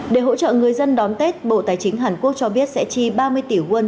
để hỗ trợ người dân đón tết bộ tài chính hàn quốc cho biết sẽ chi ba mươi tỷ won